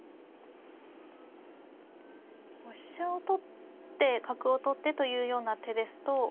飛車を取って角を取ってというような手ですと。